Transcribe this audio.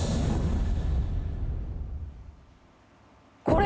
これ！